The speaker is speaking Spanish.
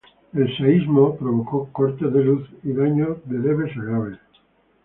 El sismo provocó cortes de luz y daños de leves a graves.